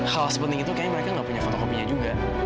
hal sepenting itu kayaknya mereka gak punya foto kopinya juga